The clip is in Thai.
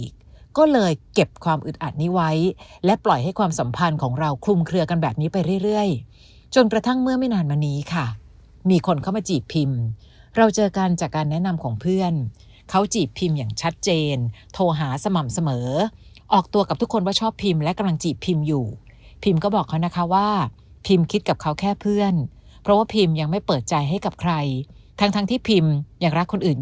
ก็เลยเก็บความอึดอัดนี้ไว้และปล่อยให้ความสัมพันธ์ของเราคลุมเคลือกันแบบนี้ไปเรื่อยจนกระทั่งเมื่อไม่นานมานี้ค่ะมีคนเข้ามาจีบพิมเราเจอกันจากการแนะนำของเพื่อนเขาจีบพิมอย่างชัดเจนโทรหาสม่ำเสมอออกตัวกับทุกคนว่าชอบพิมพ์และกำลังจีบพิมอยู่พิมก็บอกเขานะคะว่าพิมคิดกับเขาแค่เพื่อนเพราะว่าพิมยังไม่เปิดใจให้กับใครทั้งทั้งที่พิมยังรักคนอื่น